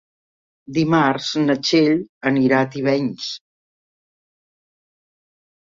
Dimarts na Txell anirà a Tivenys.